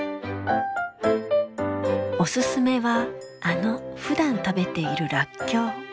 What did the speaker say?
おすすめはあのふだん食べているラッキョウ。